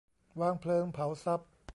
วางเพลิงเผาทรัพย์